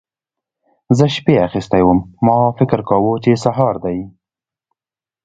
زه شپې اخيستی وم؛ ما فکر کاوو چې سهار دی.